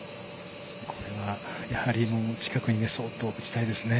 これはやはり近くにそっと打ちたいですね。